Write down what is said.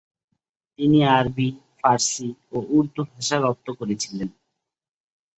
তিনি আরবি, ফারসি ও উর্দু ভাষা রপ্ত করেছিলেন।